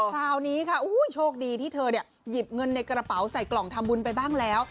คราวนี้ค่ะโชคดีที่เธอเนี่ยหยิบเงินในกระเป๋าใส่กล่องทำบุญไปบ้างแล้ว